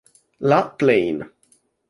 La Plaine